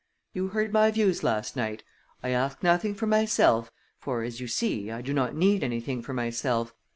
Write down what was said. You heard my views last night. I ask nothing for myself, for, as you see, I do not need anything for myself.